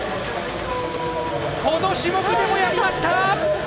この種目でもやりました！